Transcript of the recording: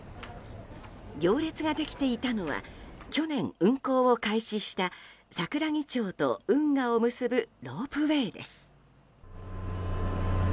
行列ができていたのは去年、運行を開始した桜木町と運河を結ぶロープウェーです。